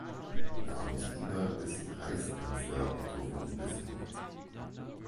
Namensgeber ist Reichskanzler Otto von Bismarck.